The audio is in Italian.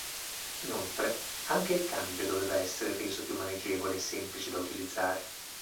Inoltre, anche il cambio doveva essere reso più maneggevole e semplice da utilizzare.